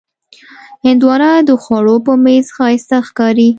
هندوانه د خوړو پر میز ښایسته ښکاري.